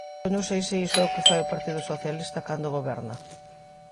Eu non sei se iso é o que fai o Partido Socialista cando goberna.